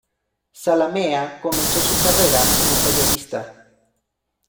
Zalamea comenzó su carrera como periodista.